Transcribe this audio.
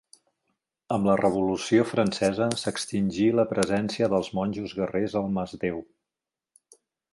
Amb la Revolució Francesa s'extingí la presència dels monjos guerrers al Masdéu.